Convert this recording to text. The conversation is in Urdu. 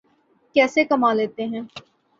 کیسے کما لیتے ہیں؟